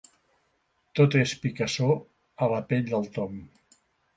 Tot és picassor a la pell del Tom.